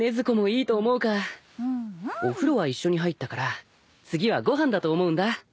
お風呂は一緒に入ったから次はご飯だと思うんだ。